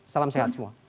salam sehat semua